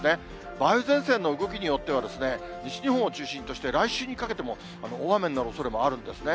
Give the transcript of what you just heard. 梅雨前線の動きによっては、西日本を中心として来週にかけても、大雨になるおそれもあるんですね。